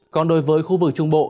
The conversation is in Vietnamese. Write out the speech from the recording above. còn đối với khu vực trung bộ